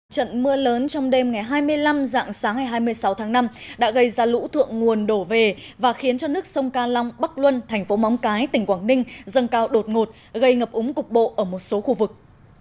trận mưa lớn trong đêm ngày hai mươi năm dạng sáng ngày hai mươi sáu tháng năm đã gây ra lũ thượng nguồn đổ về và khiến cho nước sông ca long bắc luân thành phố móng cái tỉnh quảng ninh dâng cao đột ngột gây ngập úng cục bộ ở một số khu vực